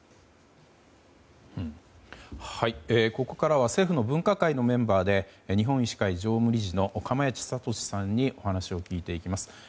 ここからは政府の分科会のメンバーで日本医師会常任理事の釜萢敏さんにお話を聞いていきます。